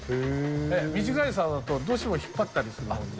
短いさおだと、どうしても引っ張ったりするもので。